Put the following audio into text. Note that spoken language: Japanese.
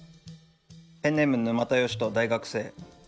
ペンネーム沼田儀人大学生。